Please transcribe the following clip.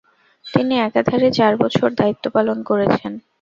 তিনি একাধারে চারবছর দায়িত্বপালন করেছেন।